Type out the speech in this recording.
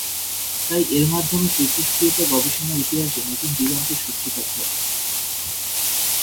তাই এর মাধ্যমে তেজস্ক্রিয়তা গবেষণার ইতিহাসে নতুন দিগন্তের সূত্রপাত ঘটে।